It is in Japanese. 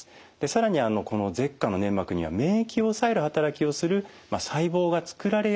更にこの舌下の粘膜には免疫を抑える働きをする細胞が作られやすいという特徴があります。